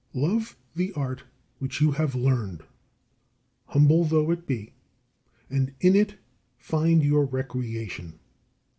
31. Love the art which you have learned, humble though it be, and in it find your recreation.